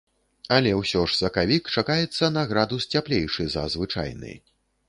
Але ўсё ж сакавік чакаецца на градус цяплейшы за звычайны.